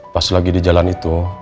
pas lagi di jalan itu